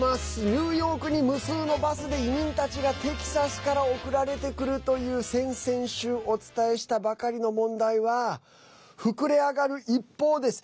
ニューヨークに無数のバスで移民たちがテキサスから送られてくるという先々週お伝えしたばかりの問題は膨れ上がる一方です。